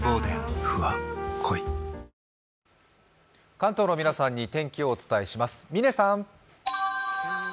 関東の皆さんに天気をお伝えします。